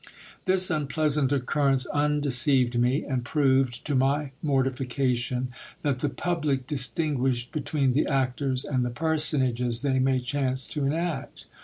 This unpleasant occurrence undeceived me, and proved, to my mortification, that the public distinguished between the actors and the personages they may chance to enact.